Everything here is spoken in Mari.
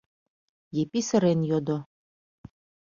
— Епи сырен йодо.